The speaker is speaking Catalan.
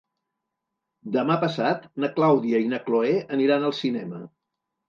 Demà passat na Clàudia i na Cloè aniran al cinema.